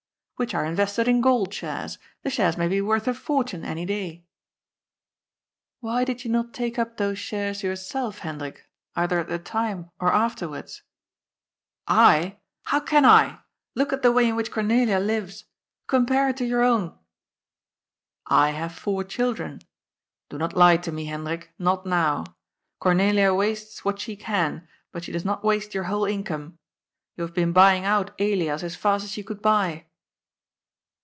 " Which are invested in Gold Shares. The shares may be worth a fortune any day." " Why did you not take up those shares yourself, Hen drik, either at the time, or afterwards ?^' "I? How can I? Look at the way in which Cornelia lives ! Compare it to your own !"" I have four children. Do not lie to me, Hendrik, not now. Cornelia wastes what she can, but she does not waste your whole income. You have been buying out Elias as fast as you could buy."